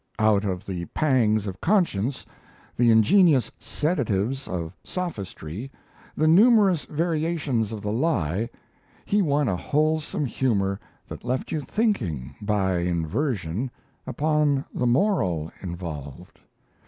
Out of the pangs of conscience, the ingenious sedatives of sophistry, the numerous variations of the lie, he won a wholesome humour that left you thinking, by inversion, upon the moral involved.